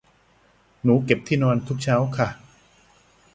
หนูเก็บที่นอนทุกเช้าค่ะ